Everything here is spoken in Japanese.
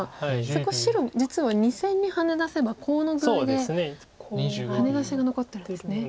そこ白実は２線にハネ出せばコウの具合でハネ出しが残ってるんですね。